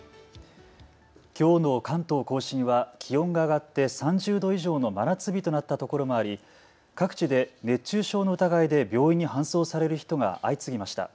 きょうの関東甲信は気温が上がって３０度以上の真夏日となったところもあり各地で熱中症の疑いで病院に搬送される人が相次ぎました。